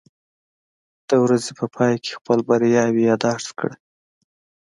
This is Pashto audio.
د ورځې په پای کې خپل بریاوې یاداښت کړه.